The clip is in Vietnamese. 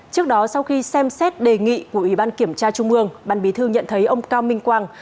trước đó sau khi xem xét đề nghị của ủy ban kiểm tra trung ương ban bí thư nhận thấy ông cao minh quang